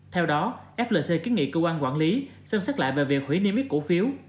theo đó flc kiến nghị cơ quan quản lý xem xét lại về việc hủy niêm yết cổ phiếu